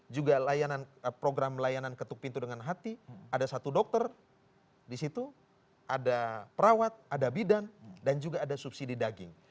juga program layanan ketuk pintu dengan hati ada satu dokter di situ ada perawat ada bidan dan juga ada subsidi daging